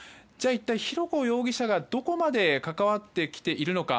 一体浩子容疑者がどこまで関わってきているのか。